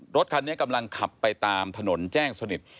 รถคันนี้กำลังขับไปตามถนนแจ้งสนิท